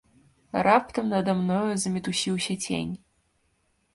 Раптам нада мною замітусіўся цень.